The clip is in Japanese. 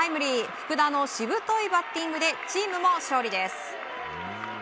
福田のしぶといバッティングでチームも勝利です。